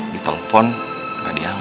di telepon tidak diangkat